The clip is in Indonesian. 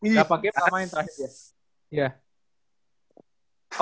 gak pake gak main terakhir